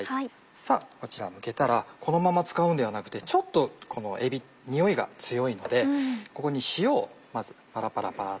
さぁこちらむけたらこのまま使うんではなくてちょっとこのえびにおいが強いのでここに塩をまずパラパラパラっと。